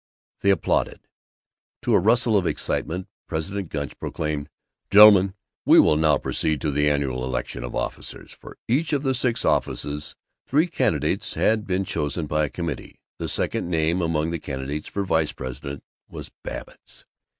They applauded. To a rustle of excitement President Gunch proclaimed, "Gentlemen, we will now proceed to the annual election of officers." For each of the six offices, three candidates had been chosen by a committee. The second name among the candidates for vice president was Babbitt's.